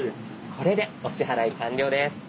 これでお支払い完了です。